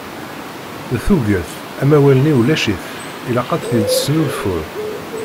Deg tuget, amawal-nni ulac-it, ilaq ad t-id-tesnulfuḍ.